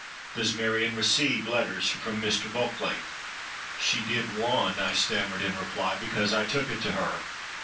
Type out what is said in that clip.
Does Marion receive letters from Mr. Bulkeley?'—'She did one,' I stammered in reply, 'because I took it to her.